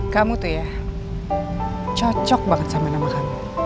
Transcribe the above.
kamu tuh ya cocok banget sama nama kamu